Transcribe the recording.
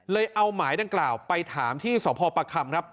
เอาหมายดังกล่าวไปถามที่สพประคำครับ